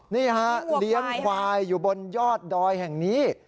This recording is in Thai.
นี่ฮะเลี้ยงควายอยู่บนยอดดอยแห่งนี้